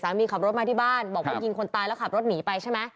ขับรถมาที่บ้านบอกว่ายิงคนตายแล้วขับรถหนีไปใช่ไหม